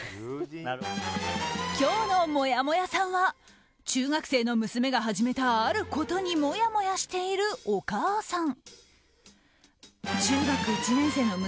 今日のもやもやさんは中学生の娘が始めたあることにもやもやしているお母さん。